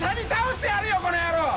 この野郎！